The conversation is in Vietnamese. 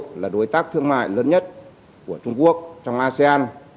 trung quốc là đối tác thương mại lớn nhất của trung quốc trong asean